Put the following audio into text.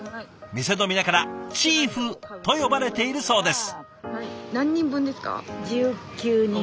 店の皆から「チーフ」と呼ばれているそうです。